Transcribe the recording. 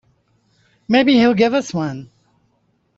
Maybe he'll give us one.